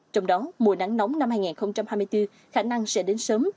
trong đó mùa nắng nóng năm hai nghìn hai mươi bốn khả năng sẽ đến sớm